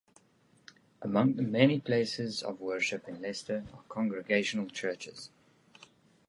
Among the many places of worship in Leicester are Congregational churches.